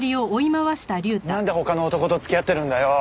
なんで他の男と付き合ってるんだよ？